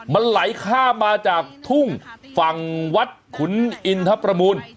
มันไหลข้ามมาจากทุ่งฝั่งวัดขุนอินทรประมูล